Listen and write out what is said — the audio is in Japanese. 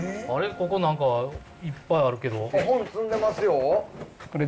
ここ何かいっぱいあるけど。